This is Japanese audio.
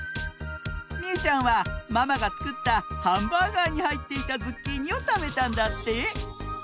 みうちゃんはママがつくったハンバーガーにはいっていたズッキーニをたべたんだって！